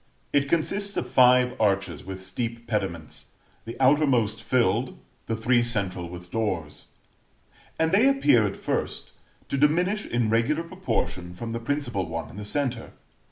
It consists of five arches with steep pediments, the outermost filled, the three central with doors; and they appear, at first, to diminish in regular proportion from the principal one in the centre.